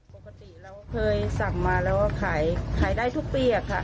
ปกติเราเคยสั่งมาแล้วขายได้ทุกปีค่ะ